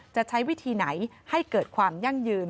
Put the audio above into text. จะใช้วิธีไหนให้เกิดความยั่งยืน